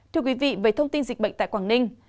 thưa quý vị về thông tin dịch bệnh tại quảng ninh